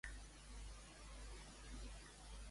Què és On Fairy-Stories?